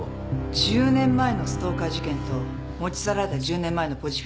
１０年前のストーカー事件と持ち去られた１０年前のポジフィルム。